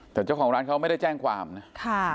แต่เจ้าของร้านเขาไม่ได้แจ้งความนะค่ะ